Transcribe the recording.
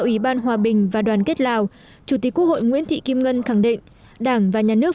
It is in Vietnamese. ủy ban hòa bình và đoàn kết lào chủ tịch quốc hội nguyễn thị kim ngân khẳng định đảng và nhà nước